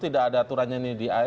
tidak ada aturannya ini di asn